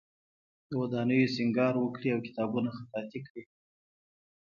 د ودانیو سینګار وکړي او کتابونه خطاطی کړي.